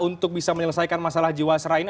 untuk bisa menyelesaikan masalah jiwasra ini